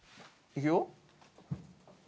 いくよ。